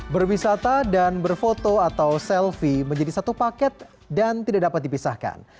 berwisata dan berfoto atau selfie menjadi satu paket dan tidak dapat dipisahkan